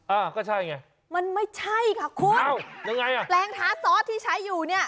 อ้าวก็ใช่ไงมันไม่ใช่ค่ะคุณแปลงทาซอสที่ใช้อยู่เนี่ย